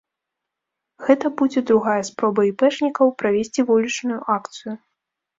Гэта будзе другая спроба іпэшнікаў правесці вулічную акцыю.